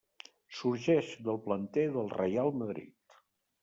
Sorgeix del planter del Reial Madrid.